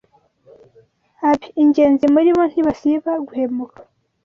Ab, ingenzi muri bo ntibasiba guhemuka